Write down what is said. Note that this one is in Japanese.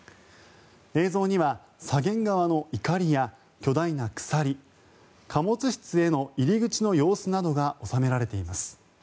映像には左舷側のいかりや巨大な鎖貨物室への入り口の様子などが収められています。